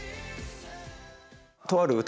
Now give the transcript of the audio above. とある歌